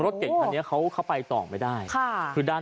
ท่วมอีกแล้วจ้าไปพอได้เลย